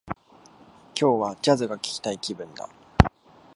今日は、ジャズが聞きたい気分だ